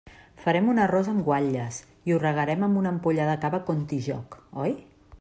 Farem un arròs amb guatlles i ho regarem amb una ampolla de cava Contijoch, oi?